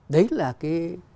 đấy là cái